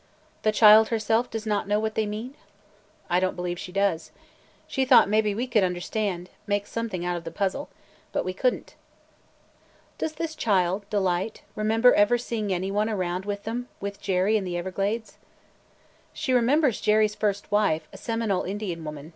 "The child herself does not know what they mean?" "I don't believe she does. She thought maybe we could understand – make something out of the puzzle. But we could n't." "Does this child, Delight – remember ever seeing any one around with them – with Jerry – in the Everglades?" "She remembers Jerry's first wife, a Seminole Indian woman.